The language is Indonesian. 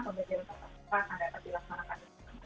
pembelajaran kata kata akan dapat dilaksanakan